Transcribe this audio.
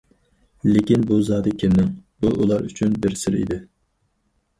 لېكىن بۇ زادى كىمنىڭ؟ بۇ ئۇلار ئۈچۈن بىر سىر ئىدى.